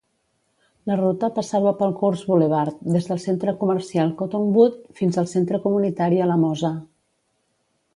La ruta passava pel Coors Boulevard des del centre comercial Cottonwood fins al centre comunitari Alamosa.